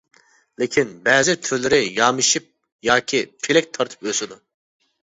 لېكىن، بەزى تۈرلىرى يامىشىپ ياكى پېلەك تارتىپ ئۆسىدۇ.